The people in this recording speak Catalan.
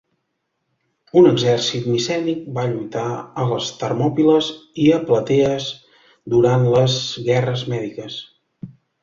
Un exèrcit micènic va lluitar a les Termòpiles i a Platees durant les Guerres Mèdiques.